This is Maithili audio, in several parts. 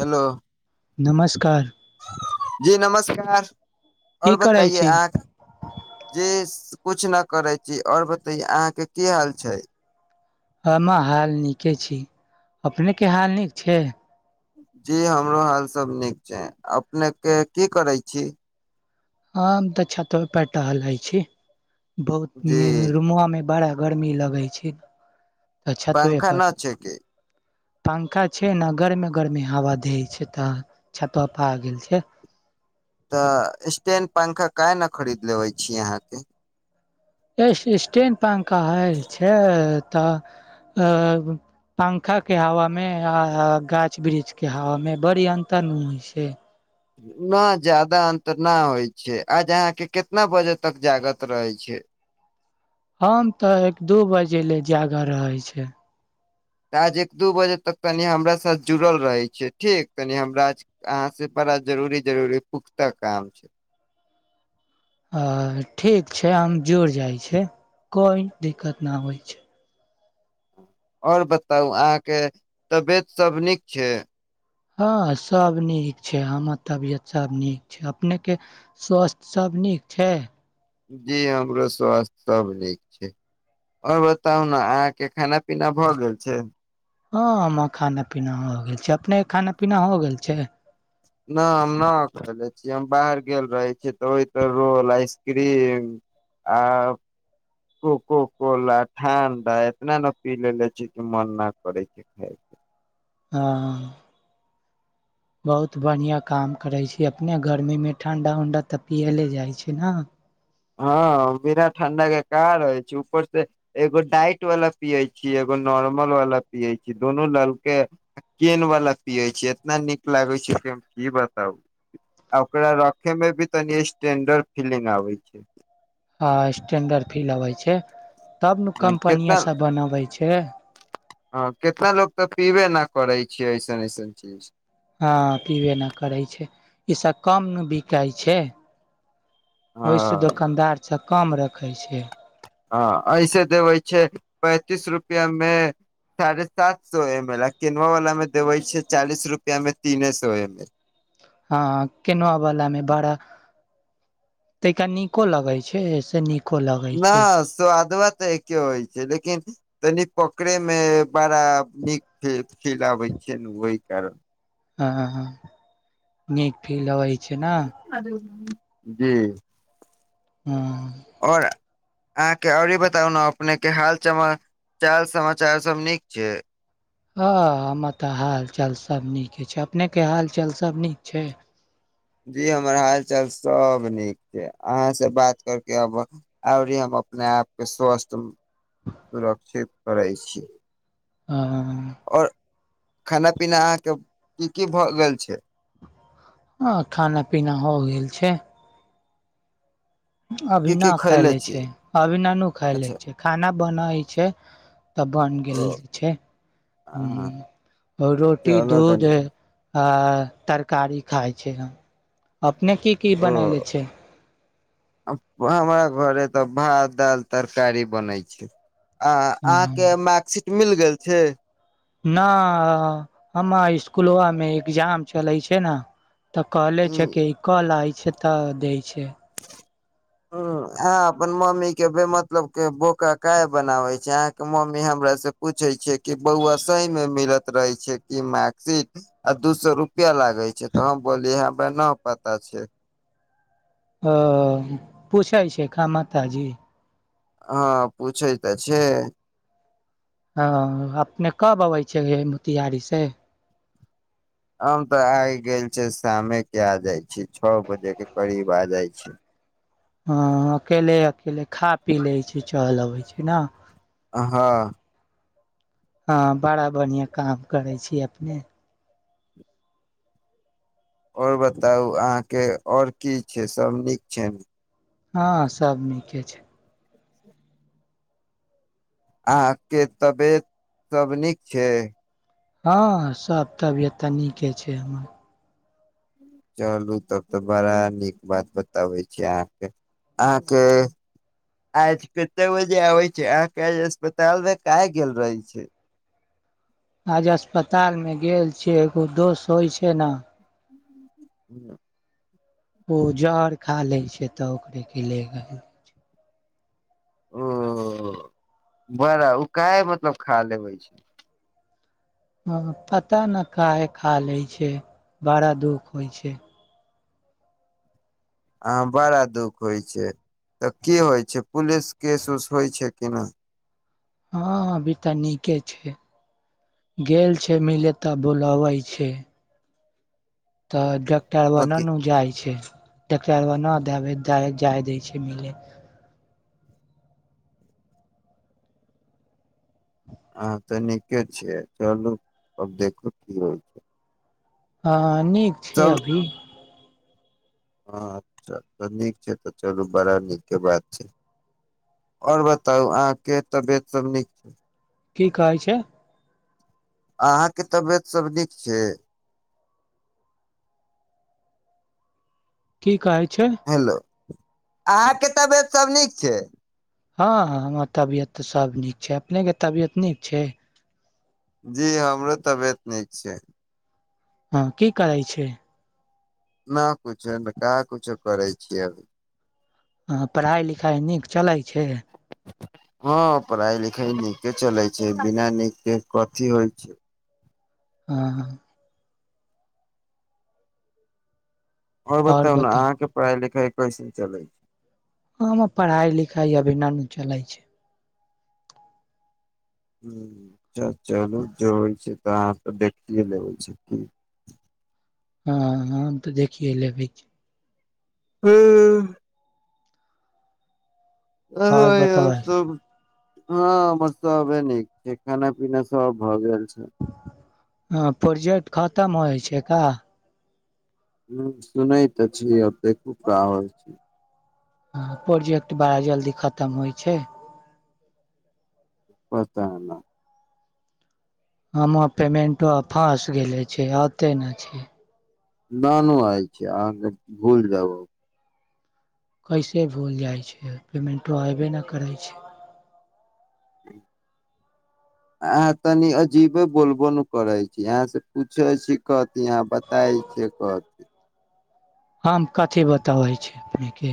हेलो। नमस्कार। जी नमस्कार। की आओर करै बताइए छी आहां जे। कुछ न करै छी आओर बतेय अहाँके की हाल छै। हममे हाल नीके छी अपने के हाल नीक छै। जी हमरो हाल सब नीक छै अपनेके की करै छी। हँ तऽ छत प टहलै छी जी बहुत रुमुआ में बड़ा। गरमी लगै छै। तऽ छतवे पंखा पर न छै के। पंखा छै ने गरमे गर्मी हवा दै छै तऽ छतवाप आ गेल छै। तऽ स्टैंड पंखा क ने खरीद लेबै छी अहाँके। ए स्टैंड पंखा होइ छै तऽ पंखाके हवामे आ गाछ वृक्षके हवामे बड़ी अन्तर होइ छै। नहि जादा अन्तर नहि होइ छै आज अहाँके कितना बजे तक जागत रहै छै। हम तऽ एक दू बजे ले जागर रहै छै। आज एक दू बजे तक तनि हमरा साथ जुड़ल रहै छै ठीक तनि हमरा अहाँसे बड़ा जरूरी जरूरी पुख्ता काम छै। ठीक छै हम जुड़ि जाइ छै कोइ दिक्कत नहि होइ छै। आओर बताउ अहाँके तबियत सभ नीक छै। हँ सभ नीक छै हमर तबियत सभ नीक छै अपनेके स्वास्थ सभ नीक छै। जी हमरो स्वास्थ सभ नीक छै आओर बताउ ने अहाँके खाना पीना भऽ गेल छै। हँ खाना पीना हो गेल छै अपने खाना पीना हो गेल छै। न आ नख। हम बाहर गेल रहे छी तऽ ओहि ते रोल आइसक्रीम आ कोको कोला ठण्डा इतना ने पी लेे छी कि मन नहि करै छै खाायके। हँ। बहुत बढ़िआँ काम करै छी अपने गर्मीमे ठण्डा उण्डा तऽ पियएले जाइ छै ने। हँ मेीरा ठंडा के कार रहै छै ऊपर से एगो डाइट वाला पिये छी एगो नॉर्मल वाला पिये छी दुोनू ललके केन वाला पिये छी इतना नीक लागे छै हम की बताउ आ ओकरा रखे में भी तनि स्टेंडर्ड फीलिंग आबे छै। छै। ह स्टेंडर्ड फील अबै छै। तब ने हूँ, कंपनिय सब बनाबे छै। के ह। हँ कितना लोको तऽ पीबे न करै छै ऐसन अऐसन चीज। हँ पिबे नहि करै छै इसभ कम बिकाइ छै। हँ ओहिस दोकानदार। से काम रखै छै। ह ऐसे देवै छै पैंतीस रुपआ मे साढ़े सात सए एम एल आ केनआ वाला मे देवे छै चालीस रुपआ मे तीने सए एम एल। हँ केनआ वला मे बड़ा तिका नीको लगै छै से नीक। न स्वादवा तऽ एके होइ छै लेकिन। तनि पकड़ेमे बड़ा नीक फ फिल आबै छिय ने ओहि कारण। हँ नीक फील हइ। अ। जी। ह। आओर अहाँके आओर ई बताउ अपनेके हाल चचाल समाचारसभ नीक छै। हँ हमरा तऽ हालचाल सब नीके छै अपनेके हालचाल सब नीक छै। जी हमर हाल चाल सब नीक छै अहाँ से बात करके अब आरी हम अपने आपके स्वस्थ। सुुरक्षित। करै छी। ह। आओर खाना पीना अहाँके की की भऽ गेल छै। आँ खाना पीना हो गेल छै। अभी की न की खा खैले लै छै छी अभी ननू खा लै अच्छा छै खाना बनै छै तऽ बन गेल ओ छै ह हँ आओ रोटी चलऽ दूध। तनी आ तरकारी खाइ छै हम। अपने की की ओ बनाले छै। हमरा घरे तऽ भात दालि तरकारी बनै छै। अ अहाँके मै। मिल गेल छै। न हम इसकूलमे एग्जाम चलै छै ने। तऽ कहले छै कि कलइ। छतऽ दै छै। ह अहाँ अपन मम्मीे मतलब के बखा काय बनाबै छै अहाँके मम्मी हमर से पूछै छियै कि बौआ सहीमे मिलत रहै छै कि मार्कशीट आ दू सए रुपआ लागै छै तऽ हम बोलिय हमरा न पता छै। ह पूछाय छै खा माता जी। हँ पूछै तऽ छै। हँ अपने कब अबै छ मोतियारीसँ। हम तऽ आबि गेल छी शामेके आ जाइत छी छओ बजेके करीब आ जाइत छी। हँ अकेले अकेले। खा पी ले छै चहलब। होइ छै ने। हँ। हँ बड़ा बढ़िआँ काम करै छी अपने। आओर बताउ अहाँके आओर की छै सब नीक छै। हँ सभ नीके छै। अहाँके तबियत सब नीक छै। हँ सभ तबियते नीके छै हमर। चलू तब तऽ बड़ा नीक बात बताबै छी अहाँके अहाँके आज कते बजे आबै छै अहाँके अस्पतालमे क गेल रहै छै। आज अस्पतालमे गेल छियै एगो दोस्त होइ छै ने। ह्म। ओ जड़ खा लै छै तऽ ओकरेके ले छै। ओ बड़ा ओ काह मतलब खा लेबै छै। पता नहि काहे खा लै छै बड़ा दुःख होइ छै। अहाँ बड़ा दुःख होइ छै तऽ की होइ छै पुलिस केस उस होइ छै किना। हँ अभी तऽ नीके छै गेल छै मिले तऽ बुलबै छै। तऽ ज। तब न मति उ जाइ छै। ट्रेक्टर नहि देक जाइ दै छै मिलै। हँ तऽ नीके छिय चलू अब देखू की होइ छै। हँ। नीक छै अभी। ह अच्छा तऽ नीक छै तऽ चलू बड़ा नीकके बात छै आओर बताउ अहाँके तबियत सब नीक छै। की कहैत छै। अहाँके तबियत सब नीक छै। की कहै। छैओ। हेलो अहाँके तबियत सब नीक छै। हँ हमर तबियत तऽ सब नीक छै अपनेके तबियत नीक छै। जी हमरो तबियत नीक छै। हँ की करै छै। न कुछो का कुछो करै छियै अभी। हँ पढ़ाइ लिखाइ नीक चलै छै। हँ पढ़ाई लिखाई नीके चलै छै बिना नीक के कथी होइ छै। हँ हँ। आओर बताउ ने अहाँके पढ़ाइ लिखाइ। कैसन चलै छै। ह पढ़ाइ लिखाइ अभी नन चलै छै। हू। च चलू जररी छै। त हाँ त देखियए लेबै छै की। हँ हम तऽ देखियए लेबै। हँ। आ आओर बतबै सब। हँ हमर सबे नीक छै खाना पीना सब भऽ गेल छै। ह प्रोजेक्ट खतम होइ छै का। ह सुनैत तऽ छिय। से खूब कह होइ छी। हँ प्रोजेक्ट बड़ा जल्दी खतम होइ छै। पता ने। हम पेमेंटो फाँस गेले छी ते ने छै। नानू आय छै अहाँके भूल देब। कैसे भूल जाइ छै पेमेंटो अयबे नहि करै छै। अहाँ तनि अजीबे बोलबो नहि करै छी अहाँ से पूछे छी क। यहाँ बताय छ कहथि। हम कथी बताबै छी अपनेके।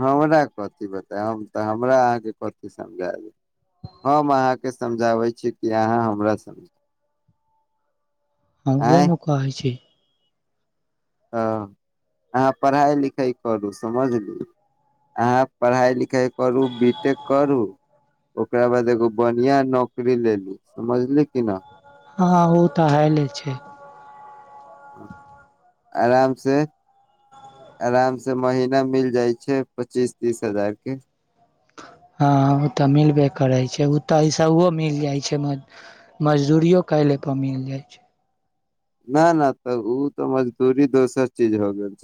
हमरा कथी बताय हम तऽ हमरा अहाँके कथि समझा देब हम अहाँके समझाबै छी कि अहाँ हमरा समझ। ह उह ने कहइ छै। हँ अहाँ पढ़ाइ लिखाइ करू समझली अहाँ पढ़ाइ लिखाइ करू बी टेक करू ओकरा बाद एगो बढ़िआँ नौकरी लेलू समझली कि न। हँ ओ तऽ हइले छै। आराम से आराम से महीना मिल जाइ छै पच्चीस तीस हजारके। हँ ओ तऽ मिलबे करै छै ओ तऽ इैसाओ मिल जाइ छै मज मजदूरिओ कएयलेपर मिल जाइ छै। न न तऽ ओ तऽ मजदूरी दोसर चीज हो गेल।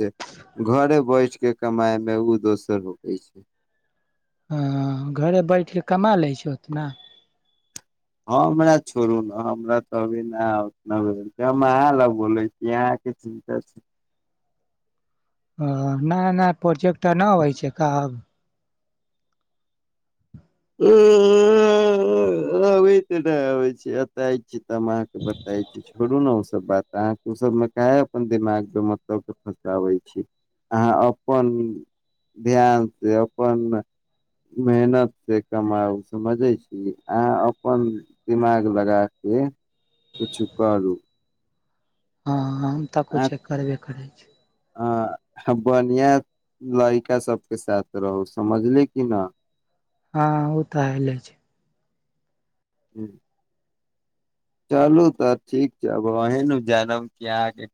घर बैस। कछ के कमाई मे ओ दोसर होगई छै। हँ घरे बैठ कऽ कमा लै छै उतना। हँ हमरा छोड़ू ने हमरा त अभी नतना हम अहाँ ल बोलै छी अहाँके चिन्ता छै। ह नया नया प्रोजेक्ट नहि होइ छै कहब। उ। ओ ओहि ते ने होइ छै एत। च अहाँके बताय छी छोड़ू ने ओ सब बात। तऽ अहाँके ओ सबमे काहे अपन दिमागके मतलबके फँसाबै छी अहाँ अपन ध्यान से अपन मेहनत से कमाउ समझै छी। अहाँ अपन दिमाग लगाके किछु करू। हँ। हम तऽ किछछेक करबे करै छी। अहाँ बढ़िया लड़िका सबके साथ रहू समझली की न। हँ ओ तऽ अले छै। ह्म। चलू तऽ ठीक छैब अहीँ ने जानब कि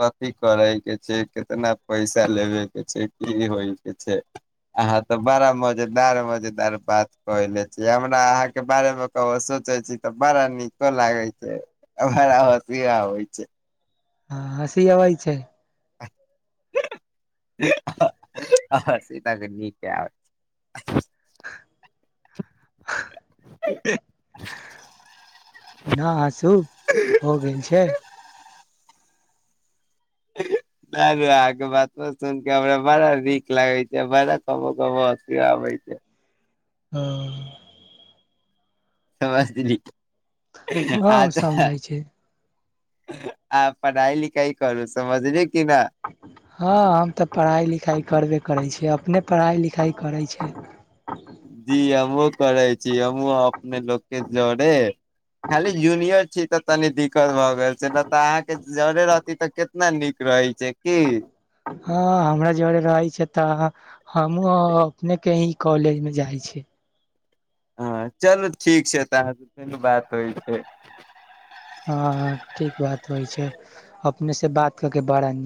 कथी करयके छै कितना पैसा लेबेके छै की होयके छै अहाँ तऽ बड़ा मजेदार मजेदार बात कहयले छी हमरा अहाँके बारेमे कह सोचैत छी तऽ बड़ा नीक। लागे छै अ हमरा हंसी आबय छै। हँ हसी अवइ छै। हा ह हसी तनि आवै छै। न आसू हो गेल छै। सारू आगे बात सुन क हमरा बड़ा नीक लागे छै बड़ा कबो कबो हस आबै छै। हँ। समझली। ह अच्छा समझइ छै। आ पढ़ाइ लिखाइ करू समझली। कि न हँ हम तऽ पढ़ाइ लिखाइ करबे करै छिय। अपने पढ़ाइ लिखाइ करै छै। जी हमहुँ करै छी हमहुँ अपने लोकके। जोडे। खाली जूनियर छी तऽ। तनी दिक्कत भए गेल छै ने तऽ अहाँके। जरे रहती तऽ केितना नीक रहै छै की। हँ हमरा जरे रहै छै त अहाँ। हम अपने कही। कॉलेजमे जाइ छी। हँ चलू ठीक छै तऽ अहाँ से फेनु बात होइ छै। हँ ठीक बात होइ छै। अपने से बात करके बड़ा नीक।